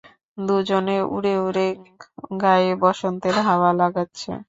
দুজনে উড়ে উড়ে গায়ে বসন্তের হাওয়া লাগাচ্ছে।